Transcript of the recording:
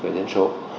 và dân số